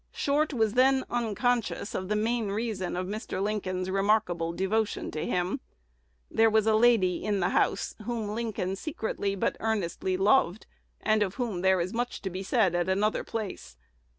Short was then unconscious of the main reason of Mr. Lincoln's remarkable devotion to him: there was a lady in the house whom Lincoln secretly but earnestly loved, and of whom there is much to be said at another place.